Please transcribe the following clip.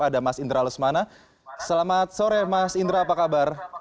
ada mas indra lesmana selamat sore mas indra apa kabar